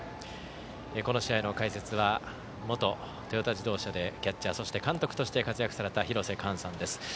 この試合の解説は元トヨタ自動車でキャッチャーそして監督として活躍された廣瀬寛さんです。